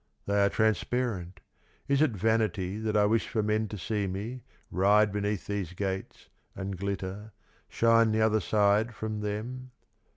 They are transparent, is it vanity that I wish for men to see me ride beneath these gates, and glitter, shine the other side from them?